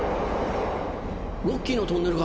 ロッキーのトンネルか！